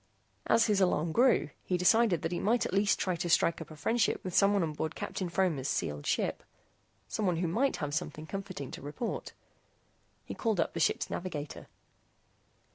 As his alarm grew, he decided that he might at least try to strike up a friendship with someone on board Captain Fromer's sealed ship someone who might have something comforting to report. He called up the ship's navigator.